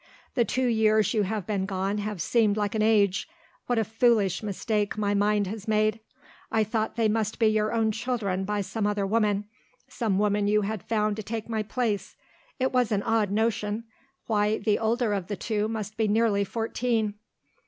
The two years you have been gone have seemed like an age. What a foolish mistake my mind has made. I thought they must be your own children by some other woman, some woman you had found to take my place. It was an odd notion. Why, the older of the two must be nearly fourteen."